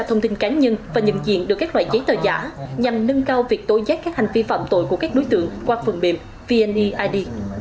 thông tin cá nhân và nhận diện được các loại giấy tờ giả nhằm nâng cao việc tối giác các hành vi phạm tội của các đối tượng qua phần mềm vneid